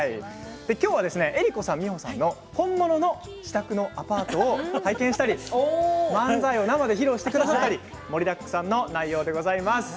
きょうは江里子さん、美穂さんの本物の自宅のアパートを拝見したり漫才を生で披露してくださったり盛りだくさんの内容でございます。